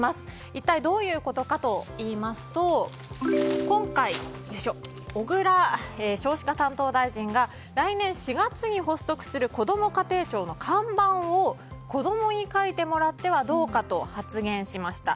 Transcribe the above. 一体どういうことかといいますと今回、小倉少子化担当大臣が来年４月に発足するこども家庭庁の看板を子供に書いてもらってはどうかと発言しました。